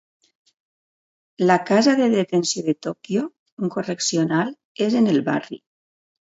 La Casa de Detenció de Tòquio, un correccional, és en el barri.